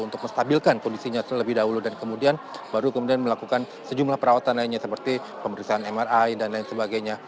untuk menstabilkan kondisinya terlebih dahulu dan kemudian baru kemudian melakukan sejumlah perawatan lainnya seperti pemeriksaan mri dan lain sebagainya